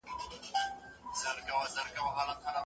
ايا انلاين درس بيا کتنه ممکنوي؟